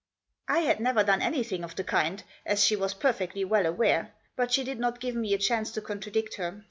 I had never done anything of the kind, as she was perfectly well aware. But she did not give me a chance to contradict her.